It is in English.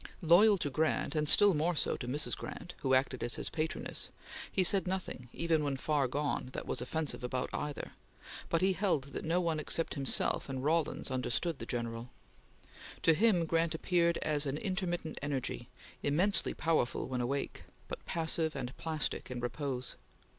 Loyal to Grant, and still more so to Mrs. Grant, who acted as his patroness, he said nothing, even when far gone, that was offensive about either, but he held that no one except himself and Rawlins understood the General. To him, Grant appeared as an intermittent energy, immensely powerful when awake, but passive and plastic in repose.